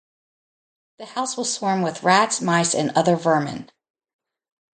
The house will swarm with rats, mice, and other vermin.